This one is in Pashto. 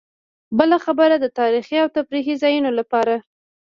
بله برخه د تاريخي او تفريحي ځایونو لپاره.